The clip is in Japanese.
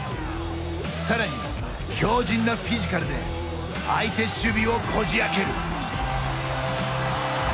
さらに強じんなフィジカルで相手守備をこじ開ける。